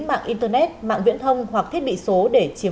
mạng internet mạng viễn thông hoặc thiết bị số để chiếm